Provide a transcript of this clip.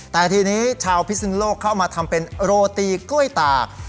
แต่ทีนี้ชาวพิศนุโลกเข้ามาทำเป็นโรตีกล้วยตาก